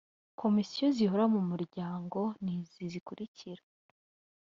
komisiyo zihoraho mu muryango ni izi zikurikira